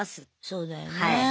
そうだよね。